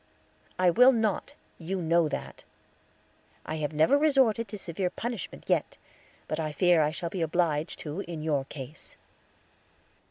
"I will not; you know that." "I have never resorted to severe punishment yet; but I fear I shall be obliged to in your case."